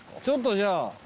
ちょっとじゃあ。